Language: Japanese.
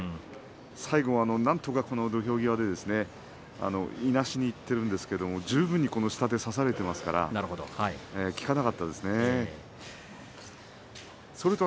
最後はなんとか土俵際でいなしにいってるんですが十分に下手を差されていますので効きませんでした。